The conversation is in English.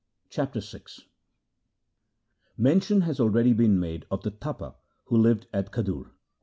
Chapter VI Mention has already been made of the Tapa who lived at Khadur.